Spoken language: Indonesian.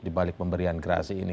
di balik pemberian gerasi ini